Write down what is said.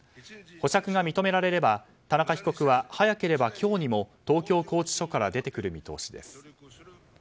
保釈が認められれば田中被告は早ければ今日にも東京拘置所から出てくる見通しです。